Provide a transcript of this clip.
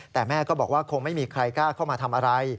แต่แม่ก็บอกว่าคงไม่มีใครกล้าเข้ามาทำอะไร